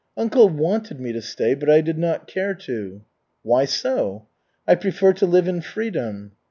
"Uncle wanted me to stay, but I did not care to." "Why so?" "I prefer to live in freedom."